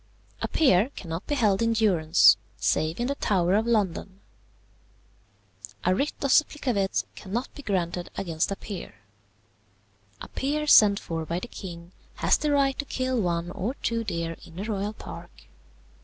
"A peer cannot be held in durance, save in the Tower of London. "A writ of supplicavit cannot be granted against a peer. "A peer sent for by the king has the right to kill one or two deer in the royal park.